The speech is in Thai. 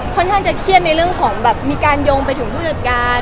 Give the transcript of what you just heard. ค่อนข้างจะเครียดในเรื่องของแบบมีการโยงไปถึงผู้จัดการ